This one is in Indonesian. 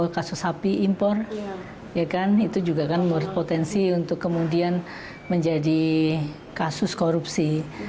kasus api impor ya kan itu juga kan menurut potensi untuk kemudian menjadi kasus korupsi